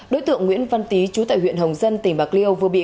đối tượng nguyễn văn tý chú tại huyện hồng dân tỉnh bạc liêu vừa bị